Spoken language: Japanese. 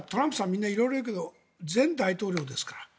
みんな色々言うけど前大統領ですから。